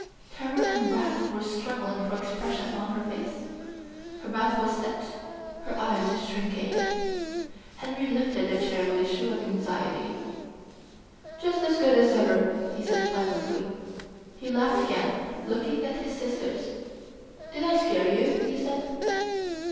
Terror and wrath were struggling for expression on her face. Her mouth was set, her eyes shrinking. Henry lifted the chair with a show of anxiety. "Just as good as ever," he said pleasantly. He laughed again, looking at his sisters. "Did I scare you?" he said.